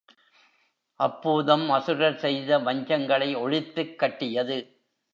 அப்பூதம் அசுரர் செய்த வஞ்சங்களை ஒழித்துக் கட்டியது.